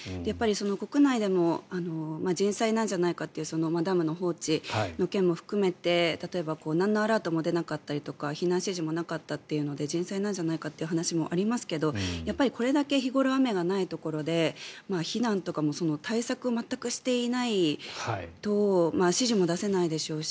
国内でも人災なんじゃないかというダムの放置の件も含めて例えば、なんのアラートも出なかったりとか避難指示もなかったというので人災じゃないかという話もありますけどこれだけ日頃、雨がないところで避難とかも対策を全くしていないと指示も出せないでしょうし。